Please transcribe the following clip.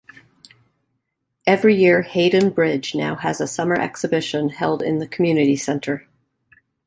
Every year Haydon Bridge now has a Summer Exhibition held in the community centre.